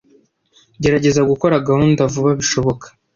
Gerageza gukora gahunda vuba bishoboka.